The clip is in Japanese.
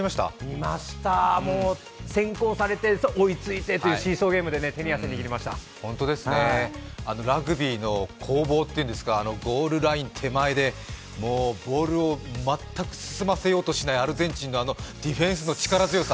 見ました、先行されて追いついてというラグビーの攻防というんですか、ゴールライン手前で、モールを全く進ませようとしないアルゼンチンのディフェンスの力強さ。